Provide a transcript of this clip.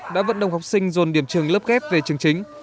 đã vận động học sinh dồn điểm trường lớp ghép về trường chính